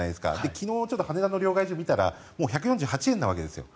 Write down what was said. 昨日、羽田の両替所を見たら１４８円なわけですよ。